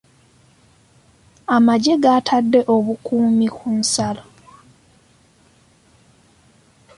Amagye gatadde obukuumi ku nsalo.